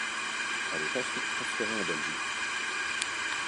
Elle est ensuite transférée en Belgique.